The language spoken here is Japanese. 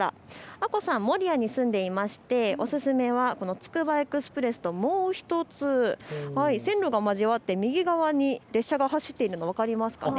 あこさん、守谷に住んでいましてお勧めはつくばエクスプレスともう１つ、線路が交わって右側に列車が走っているのが分かりますか。